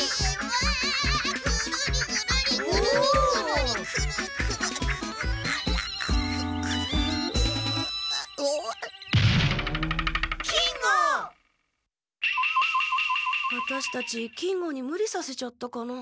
ワタシたち金吾にムリさせちゃったかな。